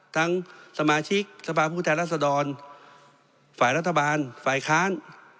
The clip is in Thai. ทั้งสมาชิกสภาพุทธรรษดรฝ่ายรัฐบาลฝ่ายค้าน